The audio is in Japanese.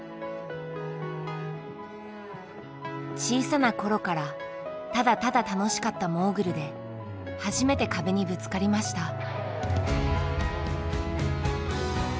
小さな頃からただただ楽しかったモーグルで初めて壁にぶつかりました。